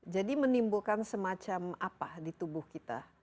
menimbulkan semacam apa di tubuh kita